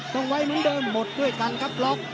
ต้องไว้เหมือนเดิมหมดด้วยกันครับล็อก